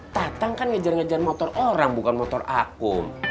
tatang kan ngejar ngajar motor orang bukan motor akum